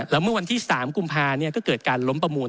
แล้วเมื่อวันที่๓กุมภาก็เกิดการล้มประมูล